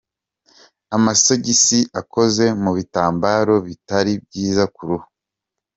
Amasogisi akoze mu bitambaro bitari byiza ku ruhu.